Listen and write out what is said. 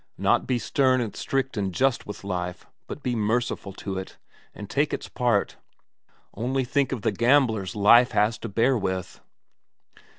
Not be stern and strict and just with life, but be merciful to it, and take its part; only think of the gamblers life has to bear with!"